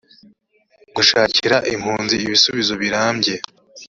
gushakira impunzi ibisubizo birambye